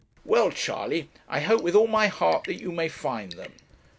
'Well, Charley, I hope with all my heart that you may find them.